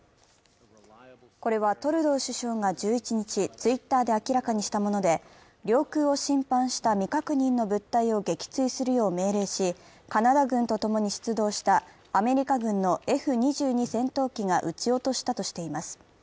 これはトルドー首相が１１日、Ｔｗｉｔｔｅｒで明らかにしたもので、領空を侵犯した未確認の物体を撃墜するよう命令し、カナダ軍と共に出動したアメリカ軍のＦ−２２戦闘機が撃ち落としたとしています。